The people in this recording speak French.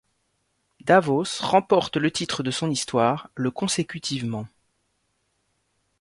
Davos remporte le titre de son histoire, le consécutivement.